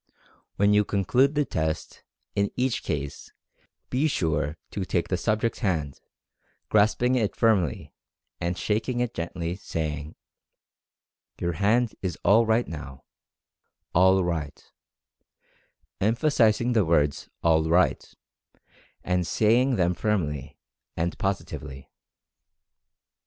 When you conclude the test, in each case, be sure to take the subject's hand, grasping it firmly, and shaking it gently, saying: "Your hand is all right now — all right/' emphasizing the words "all right," and saying them firmly, and positively.